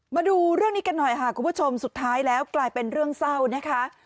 มาดูเรื่องนี้กันหน่อยค่ะคุณผู้ชมสุดท้ายแล้วกลายเป็นเรื่องเศร้านะคะ